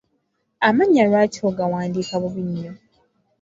Amannya lwaki ogawandiika bubi nnyo?